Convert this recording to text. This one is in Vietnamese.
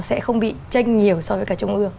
sẽ không bị tranh nhiều so với cả trung ương